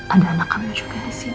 ada anak kami juga di sini